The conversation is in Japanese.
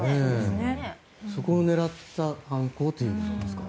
そこを狙った犯行ということなんですか。